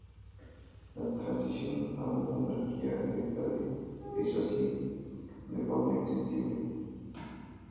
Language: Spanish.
La transición a una monarquía hereditaria se hizo así de forma insensible.